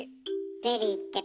ゼリーってそう！